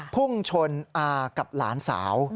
พุ่งชนอากับหลานสาว